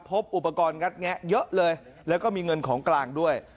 พบอุปกรณ์งัดแงะเยอะเลยแล้วก็มีเงินของกลางด้วย